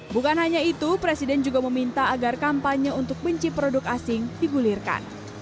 bukan hanya itu presiden juga meminta agar kampanye untuk benci produk asing digulirkan